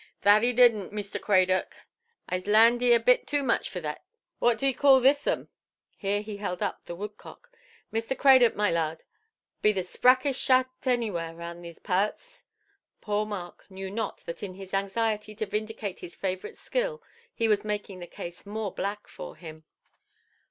"That 'ee doednʼt, Meester Craydock. Aiʼse larned 'ee a bit too much for thic. What do 'ee call thissom"? Here he held up the woodcock. "Meester Craydock, my lard, be the sprackest shat anywhur round these pearts". Poor Mark knew not that in his anxiety to vindicate his favouriteʼs skill, he was making the case more black for him.